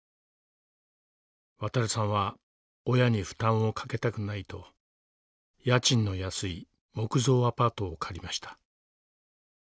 渉さんは親に負担をかけたくないと家賃の安い木造アパートを借りました。